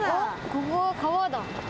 ここは川だ。